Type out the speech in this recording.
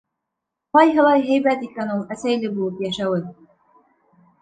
Ҡайһылай һәйбәт икән ул әсәйле булып йәшәүе!